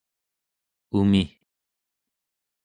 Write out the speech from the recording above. umi